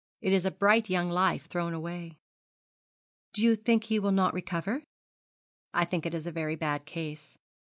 It is a bright young life thrown away.' 'Do you think he will not recover?' 'I think it is a very bad case.